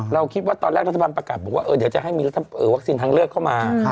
เราคิดว่าตอนแรกรัฐบาลประกาศบอกว่าเดี๋ยวจะให้มีวัคซีนทางเลือกเข้ามา